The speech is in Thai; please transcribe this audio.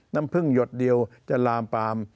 น้ำพึ่งหยดเดียวจะลามปาม